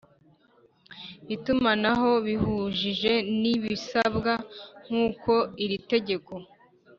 itumanaho bihuje n ibisabwa nk uko iri tegeko